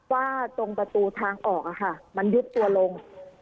ว่าตรงประตูทางออกมันยุบตัวลง